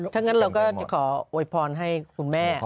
ถ้างั้นเราก็จะขอโวยพรให้คุณแม่